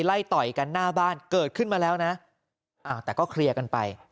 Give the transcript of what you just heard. ต่อยกันหน้าบ้านเกิดขึ้นมาแล้วนะแต่ก็เคลียร์กันไป